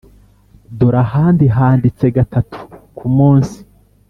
dore ahandi handitse gatatu ku munsi.